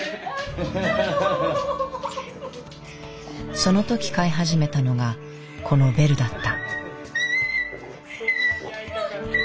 その時飼い始めたのがこのベルだった。